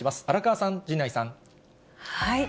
荒川さん、陣内さん。